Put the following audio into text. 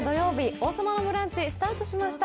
「王様のブランチ」スタートしました。